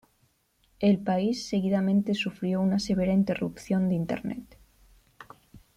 El país seguidamente sufrió una severa interrupción de internet.